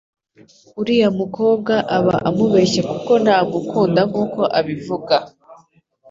Uriya mukobwa aba amubeshya kuko ntamukunda nkuko abivuga